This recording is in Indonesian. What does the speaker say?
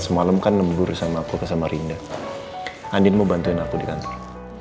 semalem kan lembur sama aku sama rinda andin mau bantuin aku di kantor